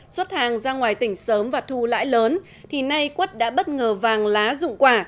xuất hàng ra ngoài tỉnh sớm và thu lãi lớn thì nay quất đã bất ngờ vàng lá dụng quả